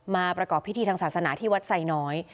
มาประกอบพิธีทางศาสนาที่วัดไซน้อย